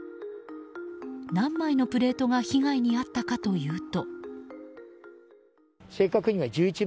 何枚のプレートが被害に遭ったかというと。